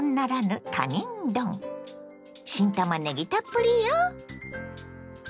新たまねぎたっぷりよ。